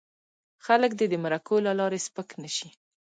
خلک دې د مرکو له لارې سپک نه شي.